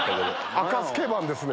赤スケバンですね。